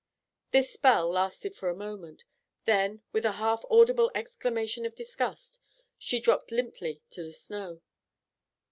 This spell lasted for a moment. Then, with a half audible exclamation of disgust, she dropped limply to the snow.